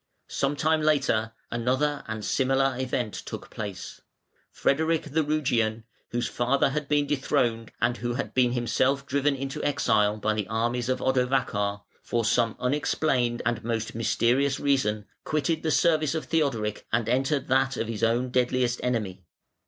Some time later another and similar event took place. Frederic the Rugian, whose father had been dethroned, and who had been himself driven into exile by the armies of Odovacar, for some unexplained and most mysterious reason, quitted the service of Theodoric and entered that of his own deadliest enemy.